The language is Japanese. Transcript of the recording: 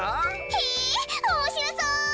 へえおもしろそう。